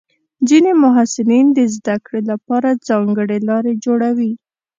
ځینې محصلین د زده کړې لپاره ځانګړې لارې جوړوي.